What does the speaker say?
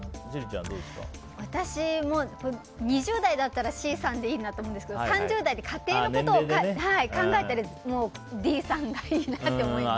私、２０代だったらＣさんでいいなと思うんですけど３０代で家庭のことを考えたらＤさんがいいなって思います。